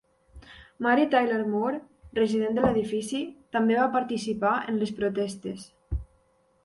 Mary Tyler Moore, resident de l'edifici, també va participar en les protestes.